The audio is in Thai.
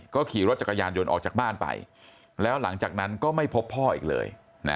ขี่รถจักรยานยนต์ออกจากบ้านไปแล้วหลังจากนั้นก็ไม่พบพ่ออีกเลย